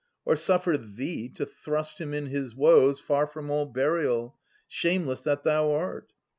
Or suffer thee to thrust him in his woes Far from all burial, shameless that thou art?